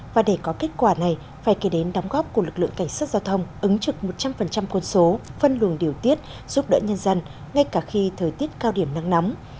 và để có kết quả này phải kể đến đóng góp của lực lượng cảnh sát giao thông ứng trực một trăm linh quân số phân luồng điều tiết giúp đỡ nhân dân ngay cả khi thời tiết cao điểm nắng nóng